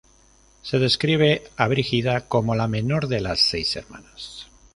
Se describe a Brígida como la menor de las seis hermanas.